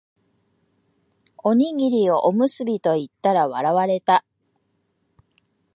おにぎりをおむすびと言ったら笑われた